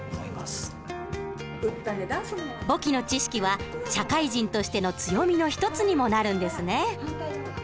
簿記の知識は社会人としての強みの一つにもなるんですね。